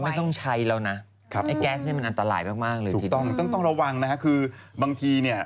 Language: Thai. ก็ไม่ต้องใช้แล้วนะแก๊สนี่มันอันตรายมากเลยถูกต้องต้องระวังนะครับคือบางทีเนี่ย